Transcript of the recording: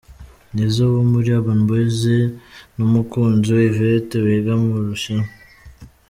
Nizzo wo muri Urban Boys n’umukunzi we Yvette wiga mu Bushinwa.